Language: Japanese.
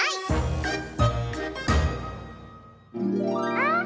あ！